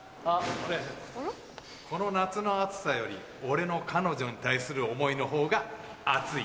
この夏の暑さより俺の彼女に対する思いの方がアツイ。